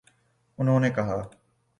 انہوں نے کہا